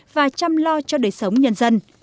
và chăm lo cho đời sống nhân dân